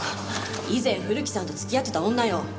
以前古木さんと付き合ってた女よ。